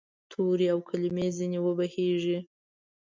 تورې او کلمې ځیني وبهیږې